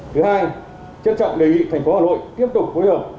thứ hai trân trọng đề nghị thành phố hà nội tiếp tục phối hợp